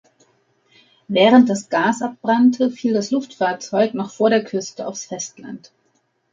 Während das Gas abbrannte, fiel das Luftfahrzeug noch vor der Küste aufs Festland.